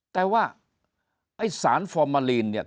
แต่ว่าไอ้สารฟอร์มาลีนเนี่ย